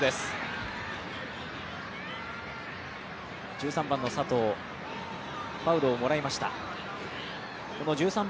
１３番の佐藤、ファウルをもらいました。